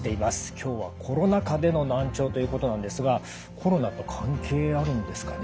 今日はコロナ禍での難聴ということなんですがコロナと関係あるんですかね。